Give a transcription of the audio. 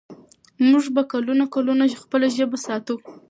موږ به کلونه کلونه خپله ژبه ساتو.